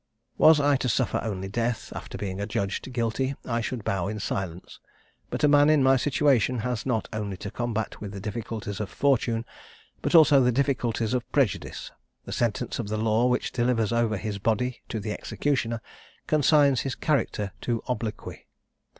Was I to suffer only death, after being adjudged guilty, I should bow in silence; but a man in my situation has not only to combat with the difficulties of fortune, but also the difficulties of prejudice: the sentence of the law which delivers over his body to the executioner, consigns his character to obloquy.